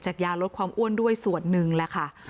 ยาลดความอ้วนด้วยส่วนหนึ่งแหละค่ะ